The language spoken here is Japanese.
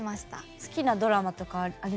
好きなドラマとかあります？